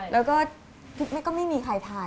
แล้วก็ไม่มีใครทาน